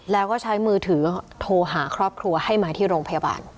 แล้วก็ใช้มือถือโทรหาครอบครัวให้มาที่โรงพยาบาล